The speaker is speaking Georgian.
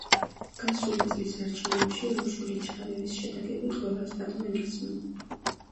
გასული წლის არჩევნებში რუსული ჩარევის შედეგები ყველა შტატმა იგრძნო.